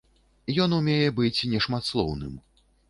Ён умее быць нешматслоўным.